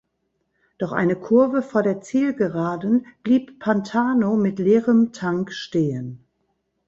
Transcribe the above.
Doch eine Kurve vor der Zielgeraden blieb Pantano mit leerem Tank stehen.